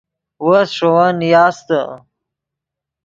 وس ݰے ون نیاستے